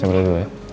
sampai jumpa lagi